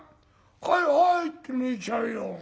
『はいはい』って寝ちゃうよ。